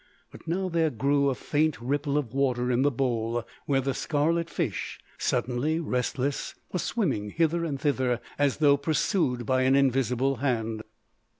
But now there grew a faint ripple of water in the bowl where the scarlet fish, suddenly restless, was swimming hither and thither as though pursued by an invisible hand.